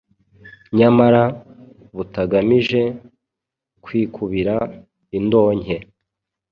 nyamara butagamije kwikubira indonke